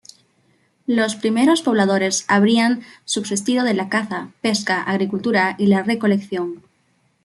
Los primeros pobladores habrían subsistido de la caza, pesca, agricultura, y la recolección.